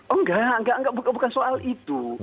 oh enggak bukan soal itu